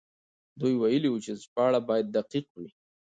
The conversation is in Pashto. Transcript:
دوی ويلي وو چې ژباړه بايد دقيق وي.